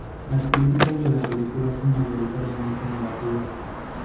Las críticas de la película son mayoritariamente negativas.